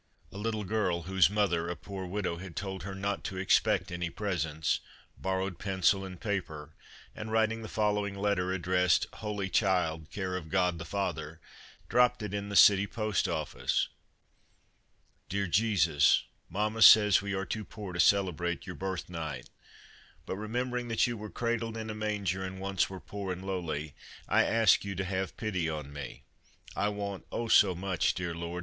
A little girl whose mother, a poor widow, had told her not to expect any presents, borrowed pencil and paper, and writing the following letter, addressed 11 Holy Child, care of God The Father," dropped it in the City Post Office :" Dear Jesus : Mamma says we are too poor to celebrate your birth night, but remembering that you were cradled in a manger and once were poor and lowly, I ask you to have pity on me. I want, oh, so much, dear Lord